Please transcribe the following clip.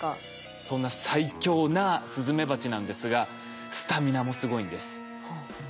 そんな最強なスズメバチなんですがスタミナもすごいんです。